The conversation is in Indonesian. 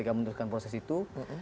untuk memutuskan proses itu